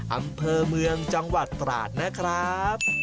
อำเภอเมืองจังหวัดตราดนะครับ